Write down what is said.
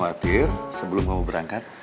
jangan khawatir sebelum kamu berangkat